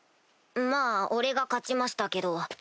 まぁ俺が勝ちましたけど。